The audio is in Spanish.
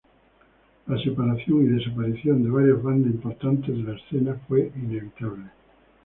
La separación y desaparición de varias bandas importantes de la escena fue inevitable.